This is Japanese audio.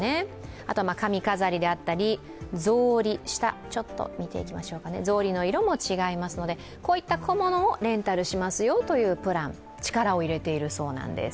あとは髪飾りであったり草履の色も違いますのでこういった小物をレンタルしますよというプラン力を入れているそうなんです。